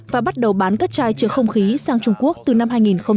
và bắt đầu bán các chai chữa không khí sang trung quốc từ năm hai nghìn một mươi năm